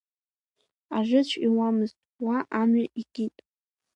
Ажыцә иуамызт, уа амҩа икит.